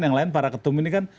yang lain para ketum ini kan